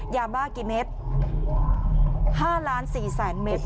ยามากกี่เม็ด๕๔๐๐๐๐๐เม็ด